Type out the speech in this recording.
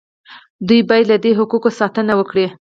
دوی باید له دې حقوقو ساتنه وکړي.